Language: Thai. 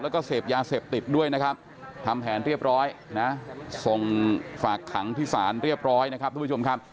แล้วก็เสพยาเสพติดด้วยนะครับทำแผนเรียบร้อยนะส่งฝากขังที่ศาลเรียบร้อยนะครับทุกผู้ชมครับ